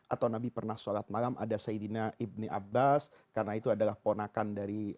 atau nabi pernah sholat malam ada saidina ibni abbas karena itu adalah ponakan dari